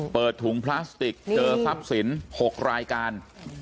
เปิดถุงพลาสติกเจอทรัพย์สิน๖รายการ